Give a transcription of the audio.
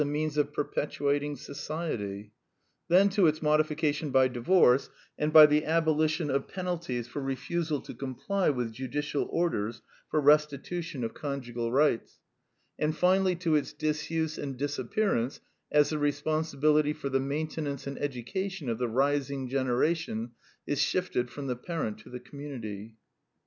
(1912.) 38 The Quintessence of Ibsenism means of perpetuating society; then to its modi fication by divorce and by the abolition of penal ties for refusal to comply with judicial orders for restitution of conjugal rights; and finally to its disuse and disappearance as the responsibility for the maintenance and education of the rising generation is shifted from the parent to the community.